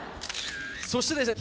そしてですね